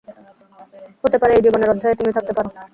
হতে পারে, এই জীবনের অধ্যায়ে তুমি থাকতে পার।